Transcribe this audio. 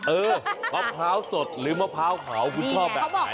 เออมะพร้าวสดหรือมะพร้าวขาวคุณชอบแบบไหน